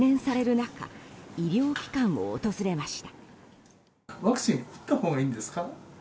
中医療機関を訪れました。